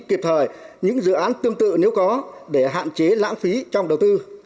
kịp thời những dự án tương tự nếu có để hạn chế lãng phí trong đầu tư